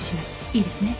いいですね？